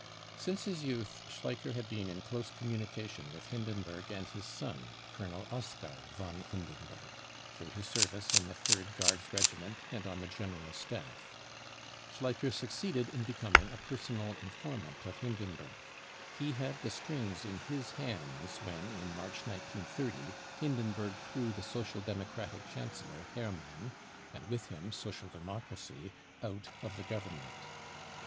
Since his youth Schleicher had been in close communication with r Hindenburg and his son, Colonel Oskar von Hindenburg, through his service in the Third Guards Regiment and on the General Staff. Schleicher succeeded in becoming a personal informant of Hindenburg. He had the strings in his hands when, in March 1930, Hindenburg threw the Social Democratic Chancellor, Hermann, and with him * Social Democracy, out of the Government.